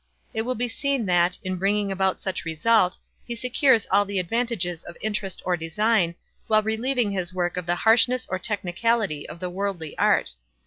It will be seen that, in bringing about such result, he secures all the advantages of interest or design, while relieving his work of the harshness or technicality of the worldly art.